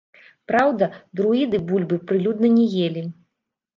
Праўда, друіды бульбы прылюдна не елі.